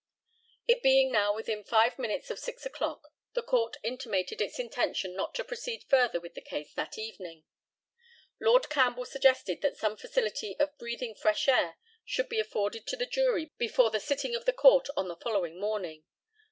It being now within five minutes of 6 o'clock the Court intimated its intention not to proceed further with the case that evening. Lord CAMPBELL suggested that some facility of breathing fresh air should be afforded to the jury before the sitting of the Court on the following morning.